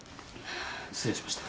失礼しました。